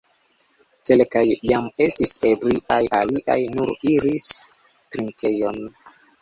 Kelkaj jam estis ebriaj, aliaj nur iris drinkejon.